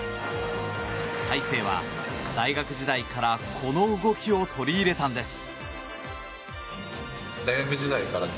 大勢は、大学時代からこの動きを取り入れたんです。